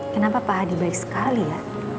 kenapa pak hadi baik sekali ya